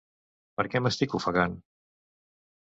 Per què m'estic ofegant?